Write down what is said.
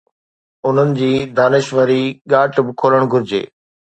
انهن جي دانشوري ڳاٽ به کولڻ گهرجي.